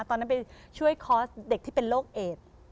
ตอนนั้นไปช่วยคอร์สเด็กที่เป็นโรคเอด